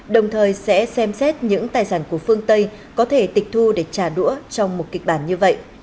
đồng thời sẽ xem xét những tài sản của phương tây có thể tịch thu để trả đũa trong một kịch bản như vậy